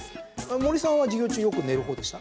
森さんは授業中よく寝るほうでした？